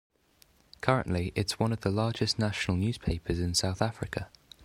Currently it is one of the largest national newspapers in South Africa.